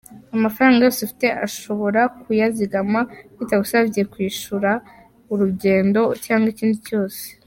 Amafaranga yose ufite ushobora kuyazigama bitagusabye kwishyura urugendo cyangwa ikindi cyose.